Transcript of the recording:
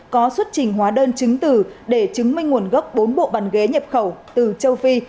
có xuất trình hóa đơn chứng tử để chứng minh nguồn gốc bốn bộ bàn ghế nhập khẩu từ châu phi